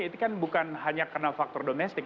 itu kan bukan hanya karena faktor domestik